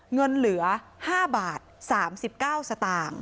เงินเหลือ๕บาท๓๙สตางค์